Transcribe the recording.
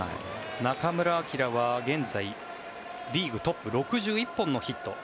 中村晃は現在、リーグトップ６１本のヒット。